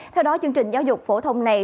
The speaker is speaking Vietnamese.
theo đó chương trình giáo dục phổ thông này